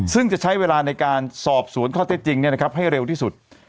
ซึ่งจะใช้เวลาในการสอบสวนข้อเท็จจริงให้เร็วที่สุด